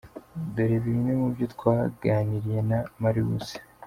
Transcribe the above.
Dore bimwe mubyo twaganiriye na Maurix:.